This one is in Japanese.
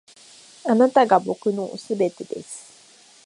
あなたが僕の全てです．